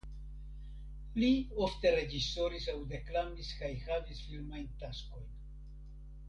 Li ofte reĝisoris aŭ deklamis kaj havis filmajn taskojn.